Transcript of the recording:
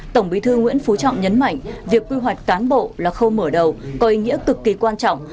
tổng bí thư nguyễn phú trọng nhấn mạnh việc quy hoạch cán bộ là khâu mở đầu có ý nghĩa cực kỳ quan trọng